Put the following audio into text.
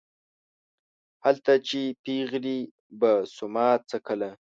هلته چې پېغلې به سوما څکله